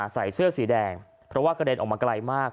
ใส่เสื้อสีแดงเพราะว่ากระเด็นออกมาไกลมาก